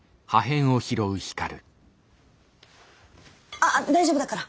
あっ大丈夫だから。